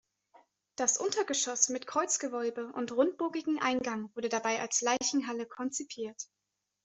Das Untergeschoss mit Kreuzgewölbe und rundbogigem Eingang wurde dabei als Leichenhalle konzipiert.